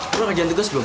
lo gak jantung gas belum